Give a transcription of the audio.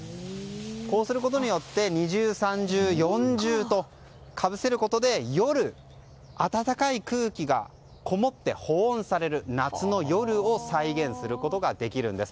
こうすることで二重、三重、四重とかぶせることで夜、暖かい空気がこもって保温される夏の夜を再現することができるんです。